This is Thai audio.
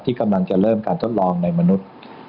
กำลังจะเริ่มการทดลองในมนุษย์